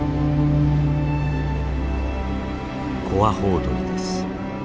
コアホウドリです。